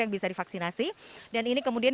yang bisa divaksinasi dan ini kemudian